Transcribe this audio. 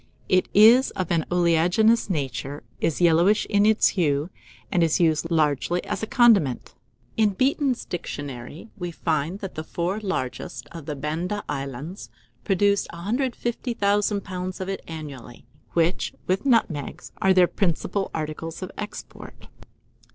It is of an oleaginous nature, is yellowish in its hue, and is used largely as a condiment. In "Beeton's Dictionary" we find that the four largest of the Banda Islands produce 150,000 lbs. of it annually, which, with nutmegs, are their principal articles of export.